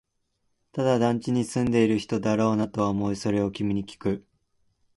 ただ、団地に住んでいる人だろうなとは思い、それを君にきく